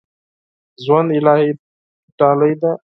ژوند الهي تحفه ده